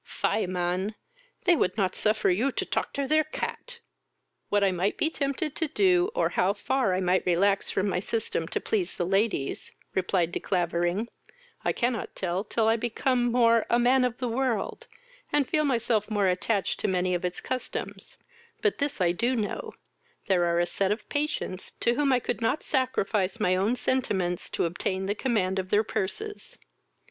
Fie, man, they would not suffer you to toctor their cat!" "What I might be tempted to do, or how far I might relax from my system, to please the ladies, (replied De Clavering,) I cannot tell till I become more a man of the world, and feel myself more attached to many of its customs: but this I do know, there are a set of patients to whom I could not sacrifice my own sentiments to obtain the command of their purses.